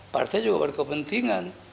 partai juga berkepentingan